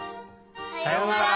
さようなら。